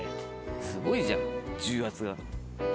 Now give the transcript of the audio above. すごいじゃん重圧が。